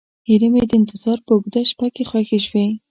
هیلې مې د انتظار په اوږده شپه کې ښخې شوې.